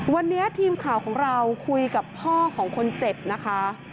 วันนี้ทีมข่าวของเราคุยกับพ่อของคนเจ็บนะคะ